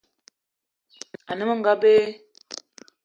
Ane onga be.